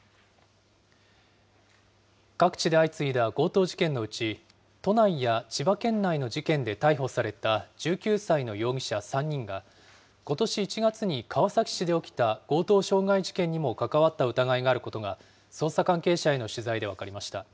各地で相次いだ強盗事件のうち、都内や千葉県内の事件で逮捕された１９歳の容疑者３人が、ことし１月に川崎市で起きた強盗傷害事件にも関わった疑いがあることが、捜査関係者への取材で分かりました。